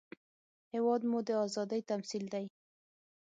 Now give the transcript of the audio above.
هېواد مو د ازادۍ تمثیل دی